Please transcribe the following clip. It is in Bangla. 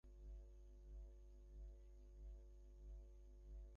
উদয়াদিত্য চারিদিকে চাহিয়া বলিয়া উঠিলেন, তবে আমাকে ছাড়িয়া দাও।